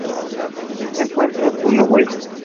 Se encuentra en Sulawesi.